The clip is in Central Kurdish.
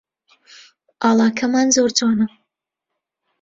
ئاڵاکەمان زۆر جوانە